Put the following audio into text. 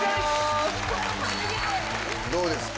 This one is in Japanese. どうですか？